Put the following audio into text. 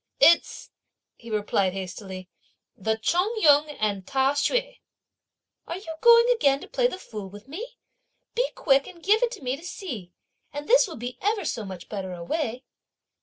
"It's," he replied hastily, "the Chung Yung and the Ta Hsüeh!" "Are you going again to play the fool with me? Be quick and give it to me to see; and this will be ever so much better a way!"